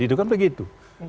itu kan begitu